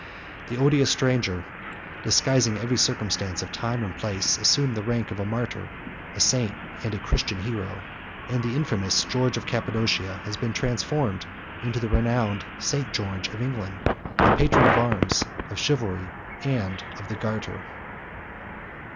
123 The odious stranger, disguising every circumstance of time and place, assumed the mask of a martyr, a saint, and a Christian hero; 124 and the infamous George of Cappadocia has been transformed 125 into the renowned St. George of England, the patron of arms, of chivalry, and of the garter.